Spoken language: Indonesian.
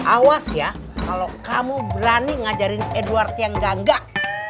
awas ya kalau kamu berani ngajarin edward yang gangga